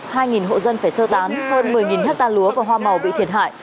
hai hộ dân phải sơ tán hơn một mươi hectare lúa và hoa màu bị thiệt hại